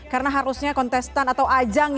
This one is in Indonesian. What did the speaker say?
karena harusnya kontestan atau ajang